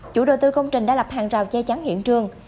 chủ đầu tư công trình đã lập hàng rào che chắn hiện trường